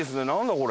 これ。